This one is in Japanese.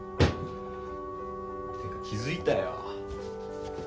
てか気付いたよ。